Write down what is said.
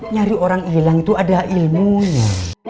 nyari orang hilang itu ada ilmunya